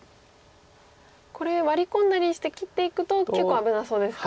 これワリ込んだりして切っていくと結構危なそうですか。